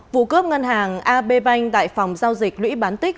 vụ cướp ngân hàng ab bank tại phòng giao dịch lũy bán tích